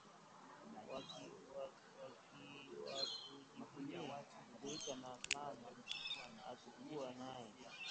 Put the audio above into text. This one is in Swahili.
Wa kujivunia kuita mama hatukuwa naye